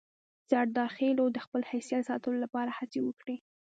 سردارخېلو د خپل حیثیت د ساتلو لپاره هڅې وکړې.